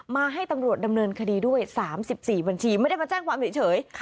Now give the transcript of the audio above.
มาให้ตำรวจดำเนินคดีด้วย๓๔บัญชีไม่ได้มาแจ้งความเฉย